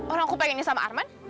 orang aku pengennya sama arman